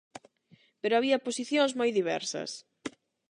Pero había posicións moi diversas.